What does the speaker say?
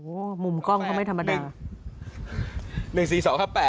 โอ้โหมุมกล้องเขาไม่ธรรมดา